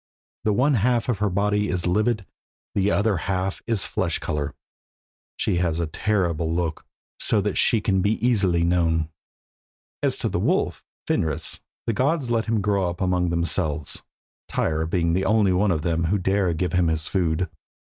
The one half of her body is livid, the other half is flesh colour. She has a terrible look, so that she can be easily known. As to the wolf, Fenris, the gods let him grow up among themselves, Tyr being the only one of them who dare give him his food.